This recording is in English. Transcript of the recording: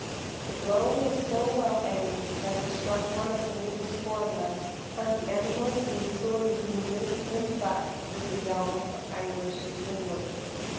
The blow was so well aimed that it struck one of the wolf's fore legs, and the animal, being sorely wounded, limped back, with a yell of anguish, into the wood.